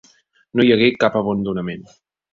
No hi hagué cap abandonament.